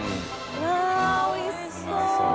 うわぁおいしそう。